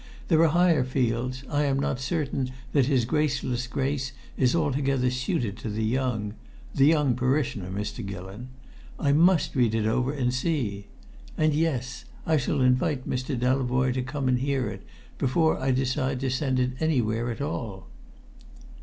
"There are higher fields. I am not certain that 'His Graceless Grace' is altogether suited to the young the young parishioner, Mr. Gillon! I must read it over and see. And yes I shall invite Mr. Delavoye to come and hear it, before I decide to send it anywhere at all."